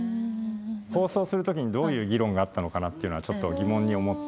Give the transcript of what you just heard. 放送する時にどういう議論があったのかなっていうのはちょっと疑問に思って。